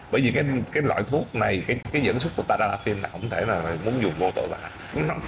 bởi vì cái loại thuốc này cái dẫn xuất của tarakin là không thể là muốn dùng vô tội vạ